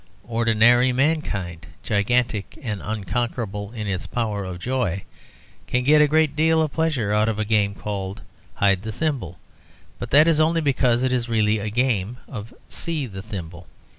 Ordinary mankind (gigantic and unconquerable in its power of joy) can get a great deal of pleasure out of a game called "hide the thimble," but that is only because it is really a game of "see the thimble."